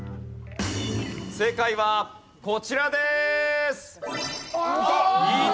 正解はこちらです。